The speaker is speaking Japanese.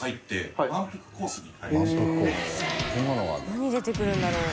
何出てくるんだろう？